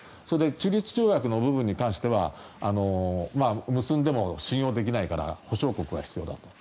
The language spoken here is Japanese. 中立条約の部分については結んでも信用できないから保証国は必要だと。